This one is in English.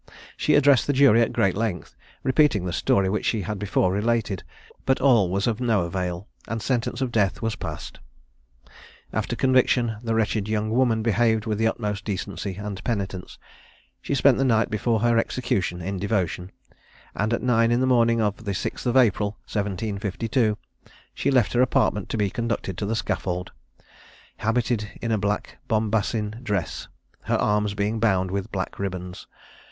She addressed the jury at great length, repeating the story which she had before related; but all was of no avail, and sentence of death was passed. After conviction, the wretched young woman behaved with the utmost decency and penitence. She spent the night before her execution in devotion; and at nine in the morning of the 6th of April 1752, she left her apartment to be conducted to the scaffold, habited in a black bombasin dress, her arms being bound with black ribands.